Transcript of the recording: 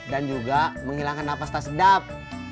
dan juga menghilangkan napas tak sedap